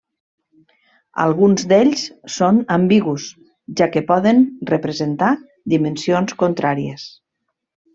Alguns d’ells són ambigus, ja que poden representar dimensions contràries.